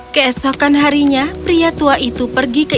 keesokan harinya pria tua itu pergi ke